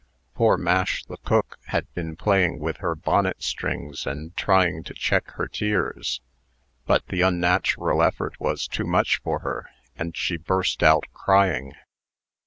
Poor Mash, the cook, had been playing with her bonnet strings, and trying to check her tears. But the unnatural effort was too much for her, and she burst out crying.